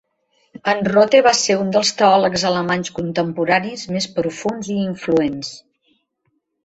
En Rothe va ser un dels teòlegs alemanys contemporanis més profunds i influents.